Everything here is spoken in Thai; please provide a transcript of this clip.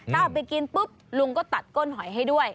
ถ้าเอาไปกินปุ๊บลุงก็ตัดก้นหอยให้ด้วย